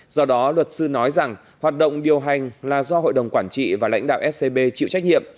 do đó luật sư nói rằng hoạt động điều hành là do hội đồng quản trị và lãnh đạo scb chịu trách nhiệm